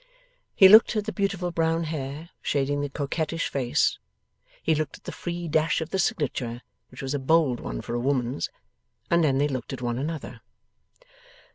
He looked at the beautiful brown hair, shading the coquettish face; he looked at the free dash of the signature, which was a bold one for a woman's; and then they looked at one another.